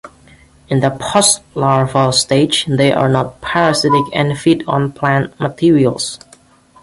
In the postlarval stage, they are not parasitic and feed on plant materials.